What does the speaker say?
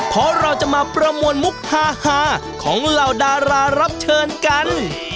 เพราะเราจะมาประมวลมุกฮาของเหล่าดารารับเชิญกัน